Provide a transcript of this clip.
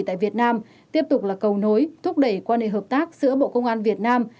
tại việt nam tiếp tục là cầu nối thúc đẩy quan hệ hợp tác giữa bộ công an việt nam